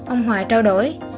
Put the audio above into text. ông hòa trao đổi